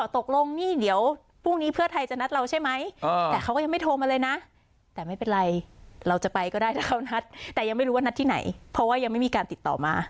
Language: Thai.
ตกลงนี่เดี๋ยวพรุ่งนี้เพื่อไทยจะนัดเราใช่ไหมแต่เขาก็ยังไม่โทรมาเลยนะแต่ไม่เป็นไรเราจะไปก็ได้ถ้าเรานัดแต่ยังไม่รู้ว่านัดที่ไหนเพราะว่ายังไม่มีการติดต่อมา